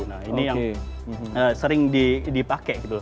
nah ini yang sering dipakai gitu loh